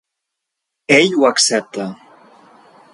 Ell ho accepta.